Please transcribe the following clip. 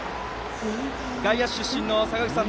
外野手出身の坂口さん